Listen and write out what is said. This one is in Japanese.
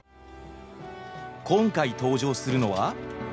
今回登場するのは。